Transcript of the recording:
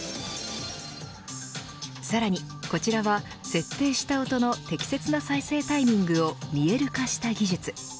さらにこちらは設定した音の適切な再生タイミングを見える化した技術。